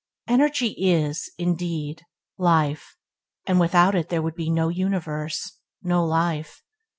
Energy is, indeed, life, and without it there would be no universe, no life.